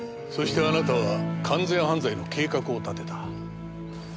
そしてあなたは完全犯罪の計画を立てた。